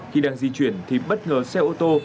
khi đang di chuyển thì bất ngờ xe ô tô